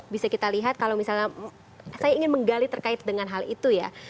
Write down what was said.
bisa kita lihat kalau misalnya saya ingin menggali terkait dengan hal itu ya